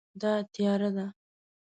دا تیاره ده